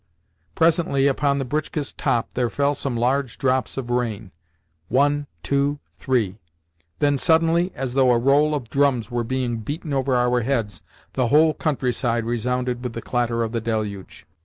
Presently, upon the britchka's top there fell some large drops of rain—"one, two, three:" then suddenly, and as though a roll of drums were being beaten over our heads, the whole countryside resounded with the clatter of the deluge.